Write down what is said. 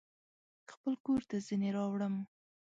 خپل کورته ځینې راوړم